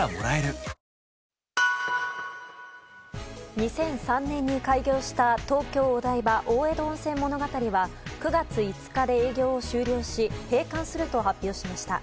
２００３年に開業した東京お台場大江戸温泉物語は９月５日で営業を終了し閉館すると発表しました。